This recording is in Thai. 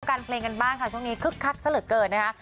การเพลงกันบ้างค่ะช่วงนี้คึกคักซะเหลือเกินนะคะ